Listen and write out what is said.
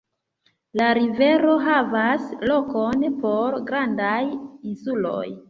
La rivero havas lokon por grandaj insuloj.